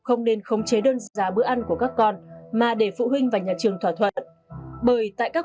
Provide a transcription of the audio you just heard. không nên khống chế đơn giá bữa ăn của các con mà để phụ huynh và nhà trường thỏa thuận bởi tại các